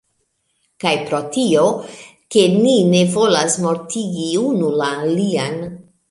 Kaj pro tio, ke ni ne volas mortigi unu la alian